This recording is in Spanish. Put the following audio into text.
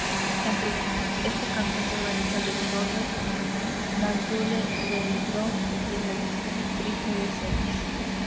Este cantón se organiza alrededor de Nanteuil-le-Haudouin, en el distrito de Senlis.